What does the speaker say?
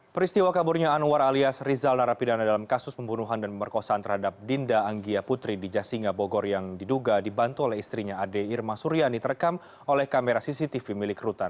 peristiwa kaburnya anwar alias rizal narapidana dalam kasus pembunuhan dan pemerkosaan terhadap dinda anggia putri di jasinga bogor yang diduga dibantu oleh istrinya ade irma suryani terekam oleh kamera cctv milik rutan